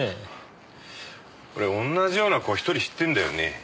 俺同じような子を１人知ってるんだよね。